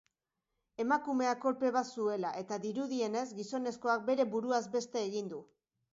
Emakumeak kolpe bat zuela eta dirudienez, gizonezkoak bere buruaz beste egin du.